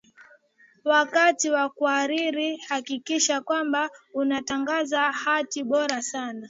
wakati wa kuhariri hakikisha kwanba unatengeza hati bora sana